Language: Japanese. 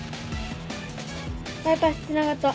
バイパスつながった。